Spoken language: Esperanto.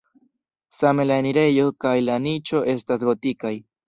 Same la enirejo kaj la niĉo estas gotikaj.